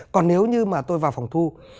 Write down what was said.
còn nếu như mà tôi vào phòng thu